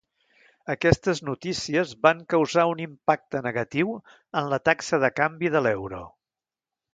Aquestes notícies van causar un impacte negatiu en la taxa de canvi de l'euro.